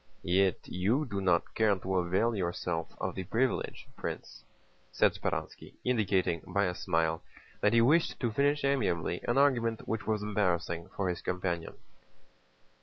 "Yet you do not care to avail yourself of the privilege, Prince," said Speránski, indicating by a smile that he wished to finish amiably an argument which was embarrassing for his companion.